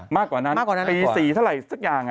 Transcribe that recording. มากกว่านั้นปี๔เท่าไหร่สักอย่าง